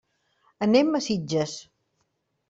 Anem a Sitges.